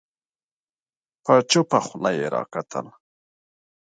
په چوپه خوله يې راکتل